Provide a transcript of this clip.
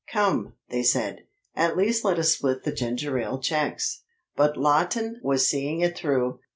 "Come," they said, "at least let us split the ginger ale checks." But Lawton was seeing it through.